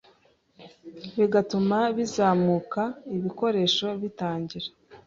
bigatuma bizamuka Ibikoresho bitangira